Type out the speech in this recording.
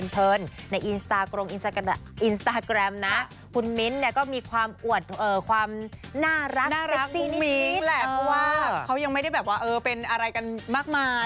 เป็นสไตล์แบบแฟนใสปั๊ปปี้เลิฟหรือเปล่า